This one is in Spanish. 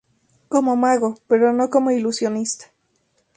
Como mago, pero no como ilusionista.